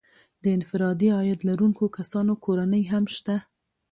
د انفرادي عاید لرونکو کسانو کورنۍ هم شته